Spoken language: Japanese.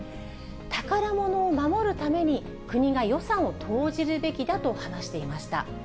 宝物を守るために、国が予算を投じるべきだと話していました。